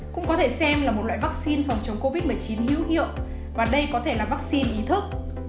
cũng có thể xem là một loại vaccine phòng chống covid một mươi chín hữu hiệu và đây có thể là vaccine ý thức